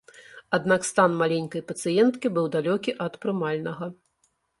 Аднак стан маленькай пацыенткі быў далёкі ад прымальнага.